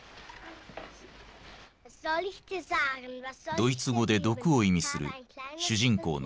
ドイツ語で「毒」を意味する主人公のトキシー。